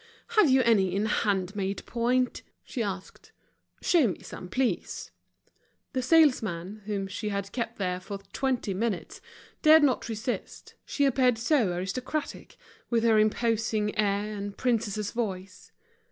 "Have you any in hand made point?" she asked; "show me some, please." The salesman, whom she had kept there for twenty minutes, dared not resist, she appeared so aristocratic, with her imposing' air and princess's voice.